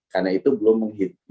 karena itu belum menghitung